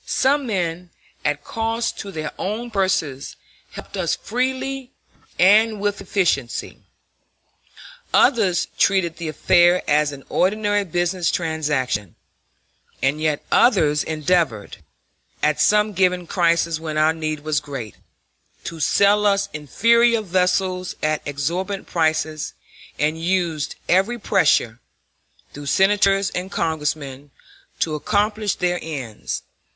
Some men, at cost to their own purses, helped us freely and with efficiency; others treated the affair as an ordinary business transaction; and yet others endeavored, at some given crisis when our need was great, to sell us inferior vessels at exorbitant prices, and used every pressure, through Senators and Congressmen, to accomplish their ends.